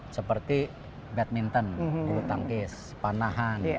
seperti badminton lutangkis panahan